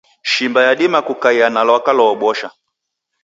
Shimba yadima kukaia na lwaka loobosha